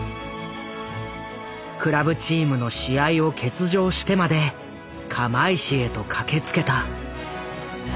クラブチームの試合を欠場してまで釜石へと駆けつけた。